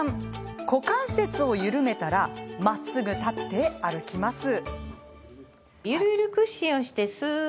股関節を緩めたらまっすぐ立って歩きます。